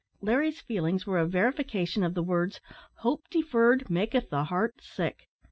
Larry's feelings were a verification of the words, "hope deferred maketh the heart sick."